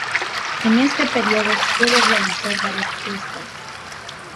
En este periodo puede realizar varias puestas.